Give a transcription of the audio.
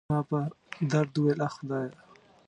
ما په درد وویل: اخ، خدایه.